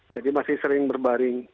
jadi masih sering berbaring